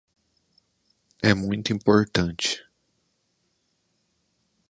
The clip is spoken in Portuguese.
É muito importante.